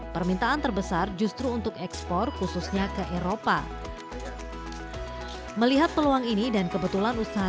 permintaan terbesar justru untuk ekspor khususnya ke eropa melihat peluang ini dan kebetulan usaha